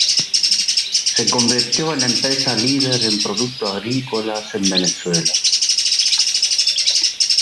Se convirtió en la empresa líder en productos agrícolas en Venezuela.